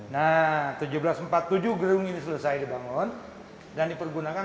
nah seribu tujuh ratus empat puluh tujuh gedung ini selesai dibangun dan dipergunakan